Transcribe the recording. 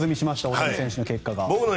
大谷選手の記録が。